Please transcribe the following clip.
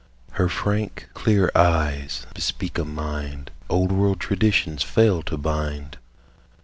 Her frank, clear eyes bespeak a mind Old world traditions fail to bind.